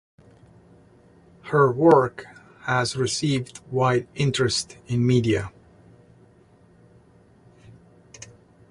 Her work has received wide interest in media.